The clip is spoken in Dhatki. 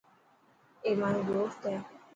اي مايو دوست هي.